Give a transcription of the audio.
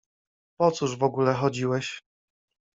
Po cóż w ogóle chodziłeś?